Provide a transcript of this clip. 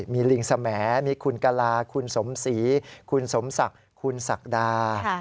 มีลิงสแหมมีคุณกลาคุณสมศรีคุณสมศักดา